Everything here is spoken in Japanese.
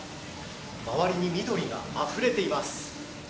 周りに緑があふれています。